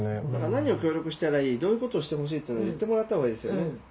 何を協力したらいいどういうことをしてほしいっていうのを言ってもらった方がいいですよね。